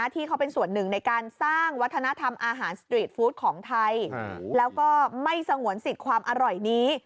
ที่เขาเป็นส่วนหนึ่งในการสร้างวัฒนธรรมอาหารสตรีทฟู้ดของไทยแล้วก็ไม่สงวนสิทธิ์ความอร่อยนี้